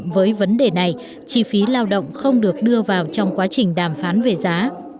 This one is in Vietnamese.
với vấn đề này chi phí lao động không được đưa vào trong quá trình đàm phán về giá